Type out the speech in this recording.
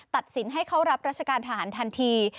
สินให้เข้ารับราชการทหารทันที